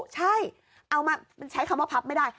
ใช่เอามามันใช้คำว่าพับไม่ได้